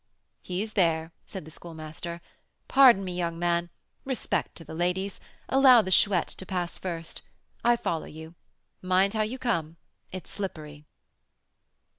"He's there," said the Schoolmaster. "Pardon me, young man, respect to the ladies, allow the Chouette to pass first; I follow you. Mind how you come, it's slippery."